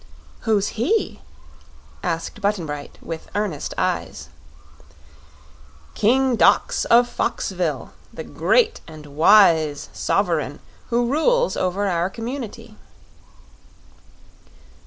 "Who's he?" asked Button Bright, with earnest eyes. "King Dox of Foxville; the great and wise sovereign who rules over our community."